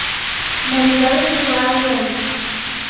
«Мом йодыт — чыла ойлем.